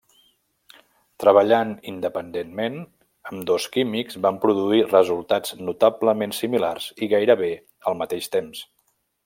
Treballant independentment, ambdós químics van produir resultats notablement similars i gairebé al mateix temps.